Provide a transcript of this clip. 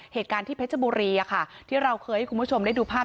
เหตุการณ์ที่เพชรบุรีที่เราเคยให้คุณผู้ชมได้ดูภาพ